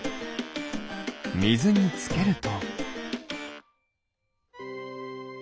みずにつけると。